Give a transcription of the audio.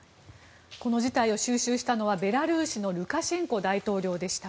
この事態を収拾したのはベラルーシのルカシェンコ大統領でした。